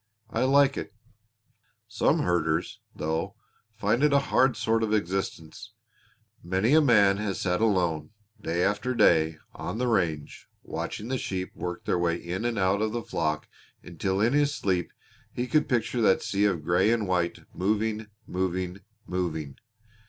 I like it. Some herders, though, find it a hard sort of existence. Many a man has sat alone day after day on the range, watching the sheep work their way in and out of the flock until in his sleep he could picture that sea of gray and white moving, moving, moving!